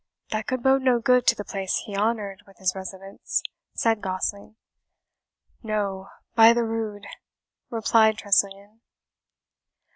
"That could bode no good to the place he honoured with his residence," said Gosling. "No, by the rood!" replied Tressilian.